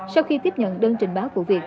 sau khi tiếp nhận đơn trình báo của việc